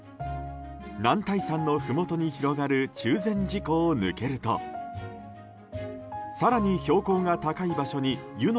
男体山のふもとに広がる中禅寺湖を抜けると更に標高が高い場所に湯ノ